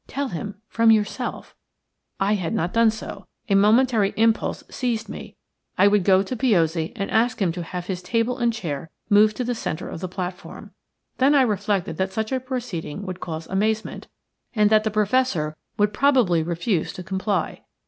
Tell him – from yourself." I had not done so. A momentary impulse seized me. I would go to Piozzi and ask him to have his table and chair moved to the centre of the platform. Then I reflected that such a proceeding would cause amazement, and that the Professor would probably refuse to comply.